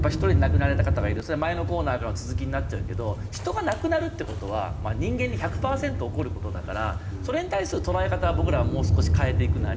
それは前のコーナーからの続きになっちゃうけど人が亡くなるって事は人間に１００パーセント起こる事だからそれに対する捉え方は僕らはもう少し変えていくなり